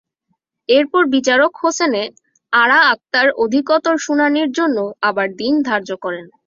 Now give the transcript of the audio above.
এরপর বিচারক হোসেনে আরা আকতার অধিকতর শুনানির জন্য আবার দিন ধার্য করেন।